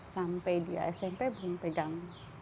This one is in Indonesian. sampai dia smp belum pegang